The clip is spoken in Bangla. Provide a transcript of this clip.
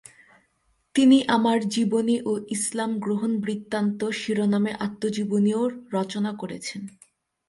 তিনি আমার জীবনী ও ইসলাম গ্রহণ বৃত্তান্ত শিরোনামে আত্মজীবনীও রচনা করেছেন।